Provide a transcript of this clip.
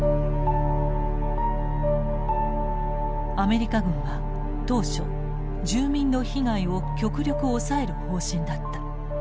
アメリカ軍は当初住民の被害を極力抑える方針だった。